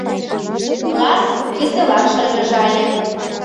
Класс веселан шыргыжале.